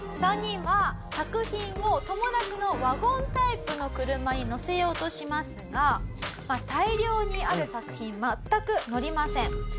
３人は作品を友達のワゴンタイプの車に載せようとしますが大量にある作品全く載りません。